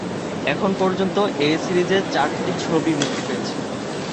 এখন পর্যন্ত এ সিরিজের চারটি ছবি মুক্তি পেয়েছে।